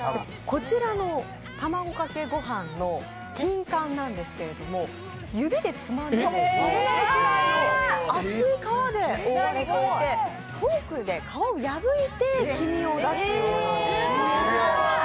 こちらのたまごかけご飯のキンカンなんですけど、指でつまんでも割れないぐらいの厚い皮で覆われていてフォークで皮を破いて黄身を出す。